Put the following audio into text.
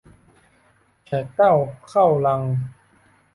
แขกเต้าเข้ารัง